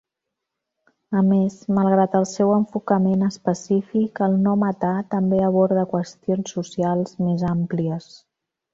A més, malgrat el seu enfocament específic, el no-matar també aborda qüestions socials més àmplies.